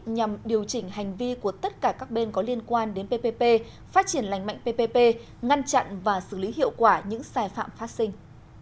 nhằm điều chỉnh hành vi của tất cả các bên có liên quan đến ppp phát triển lành mạnh ppp ngăn chặn và xử lý hiệu quả những sai phạm phát sinh